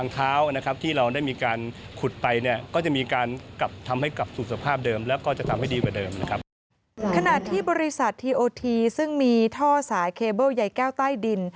ขณะที่บริษัททีโอทีซึ่งมีท่อสายเคเบิ้ลใยแก้วใต้ดิน